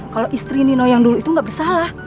kalau istri nino yang dulu itu nggak bersalah